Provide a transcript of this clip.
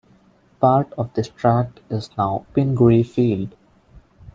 Part of this tract is now Pingree Field.